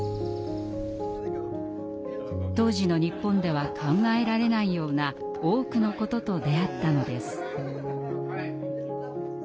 当時の日本では考えられないような多くのことと出会ったのです。